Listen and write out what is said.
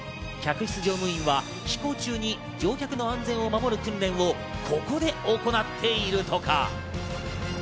客室乗務員は、飛行中に乗客の安全を守る訓練をここで行っているとか。